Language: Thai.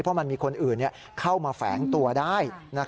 เพราะมันมีคนอื่นเข้ามาแฝงตัวได้